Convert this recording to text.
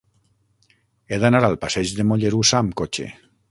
He d'anar al passeig de Mollerussa amb cotxe.